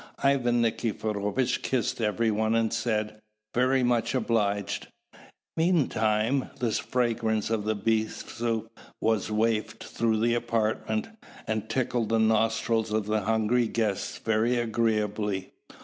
Ivan Nikiforovitch kissed every one, and said, "Very much obliged!" Meantime, the fragrance of the beet soup was wafted through the apartment, and tickled the nostrils of the hungry guests very agreeably.